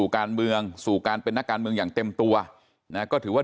การเมืองสู่การเป็นนักการเมืองอย่างเต็มตัวนะก็ถือว่า